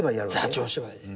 座長芝居で。